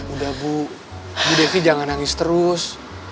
udah bu devi jangan nangis terus